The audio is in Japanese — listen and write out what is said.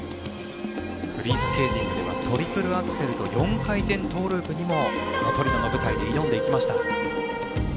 フリースケーティングではトリプルアクセルと４回転トウループにもこのトリノの舞台で挑んでいきました。